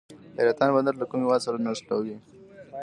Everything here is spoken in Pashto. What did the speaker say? حیرتان بندر له کوم هیواد سره نښلوي؟